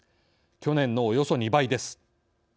去年のおよそ２倍です。